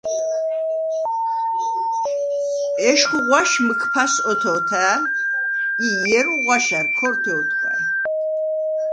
ეშხუ ღვაშ მჷქფას ოთო̄თა̄̈ლ ი ჲერუ ღვაშა̈რ ქორთე ოთხვა̈ჲ.